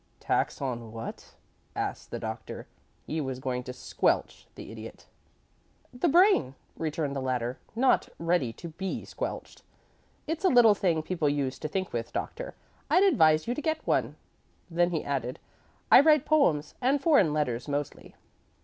"Tax on what?" asked the Doctor. He was going to squelch the Idiot. "The brain," returned the latter, not ready to be squelched. "It's a little thing people use to think with, Doctor. I'd advise you to get one." Then he added, "I write poems and foreign letters mostly."